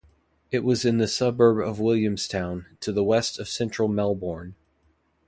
It was in the suburb of Williamstown, to the west of central Melbourne.